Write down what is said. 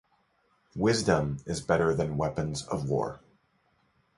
Wisdom is better than weapons of war.